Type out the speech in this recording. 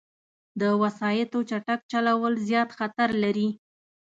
د وسايطو چټک چلول، زیاد خطر لري